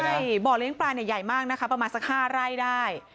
ใช่บ่อเลี้ยงปลาเนี่ยใหญ่มากนะคะประมาณสัก๕ไร่ได้